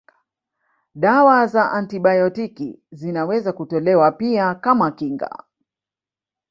Dawa za antibiotiki zinaweza kutolewa pia kama kinga